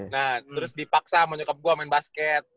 nah terus dipaksa mau nyokap gue main basket